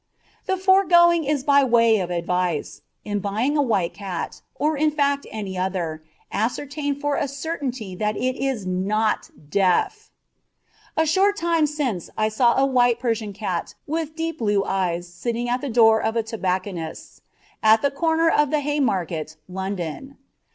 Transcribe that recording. The foregoing is by way of advice; in buying a white cat or, in fact, any other ascertain for a certainty that it is not deaf. A short time since I saw a white Persian cat with deep blue eyes sitting at the door of a tobacconist's, at the corner of the Haymarket, London.